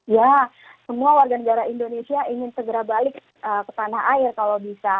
ya semua warga negara indonesia ingin segera balik ke tanah air kalau bisa